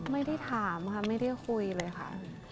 ไม่ได้ถามค่ะไม่ได้คุยเลยค่ะ